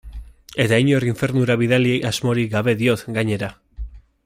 Eta inor infernura bidali asmorik gabe diot, gainera.